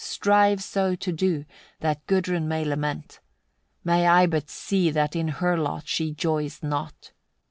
Strive so to do, that Gudrun may lament. Might I but see that in her lot she joys not!